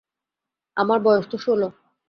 আমার বয়সতো ষোল।